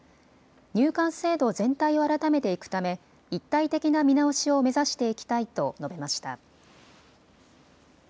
入管制度全体を改めていくため一体的な見直しを目指していきたいと述べました。